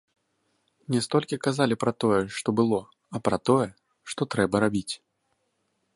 Не столькі казалі пра тое, што было, а пра тое, што трэба рабіць.